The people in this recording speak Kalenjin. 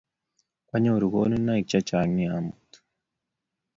Kwanyoru konunoik chechang' nia amut